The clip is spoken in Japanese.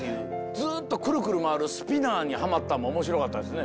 ずっとくるくる回るスピナーにはまったのもおもしろかったですよね。